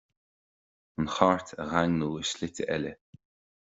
An Chairt a dhaingniú i slite eile.